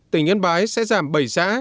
tỉnh yên bái sẽ giảm bảy xã